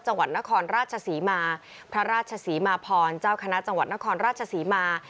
จังหวัดนครราชศรีมาพระราชศรีมาพรเจ้าคณะจังหวัดนครราชศรีมา